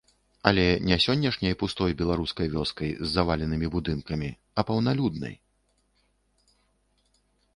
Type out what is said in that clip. Але не сённяшняй пустой беларускай вёскай з заваленымі будынкамі, а паўналюднай.